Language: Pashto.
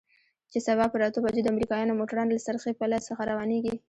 چې سبا پر اتو بجو د امريکايانو موټران له څرخي پله څخه روانېږي.